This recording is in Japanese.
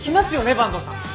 坂東さん。